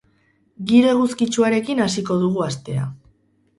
Giro eguzkitsuarekin hasiko dugu astea.